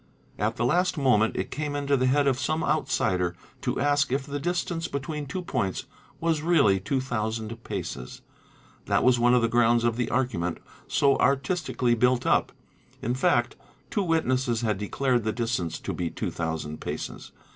At the last 'moment it came into the head of some outsider to ask if the distance between two points was really two thousand paces. That was one of the grounds of the argument so artistically built up: in fact two witnesses 'had declared the distance to be two thousand paces.